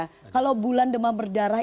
kaitannya ya kalau bulan demam berdarah